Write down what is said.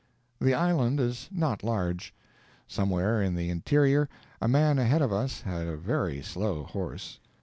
The island is not large. Somewhere in the interior a man ahead of us had a very slow horse.